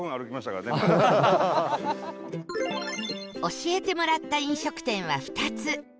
教えてもらった飲食店は２つ